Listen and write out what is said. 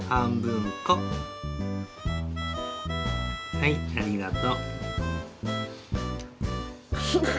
はいありがと。